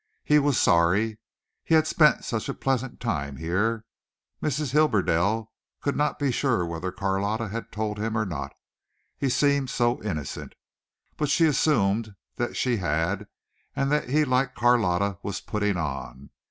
He was sorry. He had spent such a pleasant time here. Mrs. Hibberdell could not be sure whether Carlotta had told him or not, he seemed so innocent, but she assumed that she had and that he like Carlotta was "putting on."